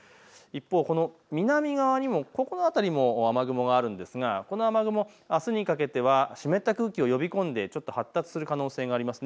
一方、南側にも雨雲があるんですがこの雨雲、あすにかけては湿った空気を呼び込んでちょっと発達する可能性があります。